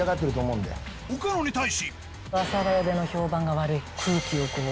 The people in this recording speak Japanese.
岡野に対し